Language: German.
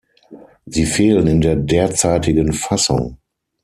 Sie fehlen in der derzeitigen Fassung.